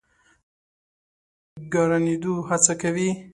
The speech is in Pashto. احمد پر ما د ګرانېدو هڅه کوي.